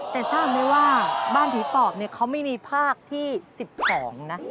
แต่ทราบไหมว่าบ้านผีปอบเนี่ยเขาไม่มีภาคที่๑๒นะ